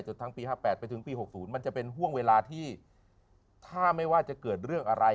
ทั้งปี๕๘ไปถึงปี๖๐มันจะเป็นห่วงเวลาที่ถ้าไม่ว่าจะเกิดเรื่องอะไร